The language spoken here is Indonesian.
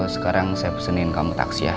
sekarang saya pesanin kamu taksi ya